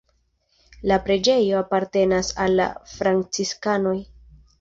La preĝejo apartenas al la franciskanoj.